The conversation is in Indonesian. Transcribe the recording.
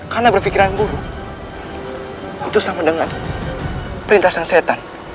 karena berpikiran buruk itu sama dengan perintah sang setan